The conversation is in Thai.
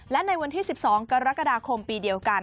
และในวันที่๑๒กรกฎาคมปีเดียวกัน